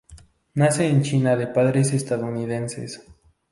Nace en China de padres estadounidenses.